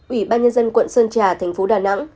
ủy ban nhân dân quận sơn trà thành phố đà nẵng